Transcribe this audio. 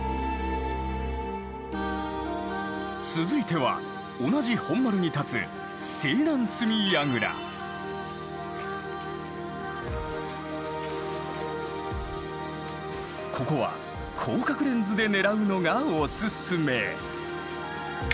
続いては同じ本丸に立つここは広角レンズで狙うのがおすすめ。